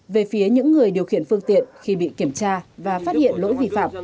về phía những người điều khiển phương tiện khi bị kiểm tra và phát hiện lỗi vi phạm